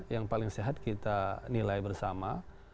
yang paling sehat kita nilai bersama